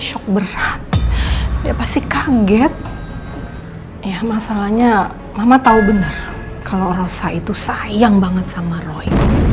ya pasti kaget ya masalahnya mama tahu benar kalau rosa itu sayang banget sama roy